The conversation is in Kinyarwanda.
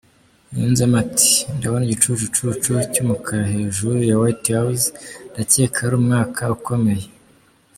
Yunzemo ati “Ndabona igicucucu cy’ umukara hejuru ya White house…ndakeka ari umwaka ukomeye”